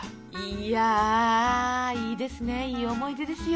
いやいいですねいい思い出ですよ。